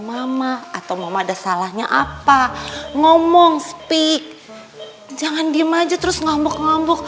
mama atau mama ada salahnya apa ngomong speak jangan diem aja terus ngomong ngomong